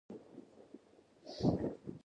د موټرو سرعت د شرایطو سره سم وساتئ.